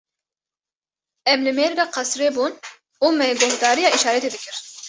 Em li mêrga qesirê bûn û me guhdariya îşaretê dikir.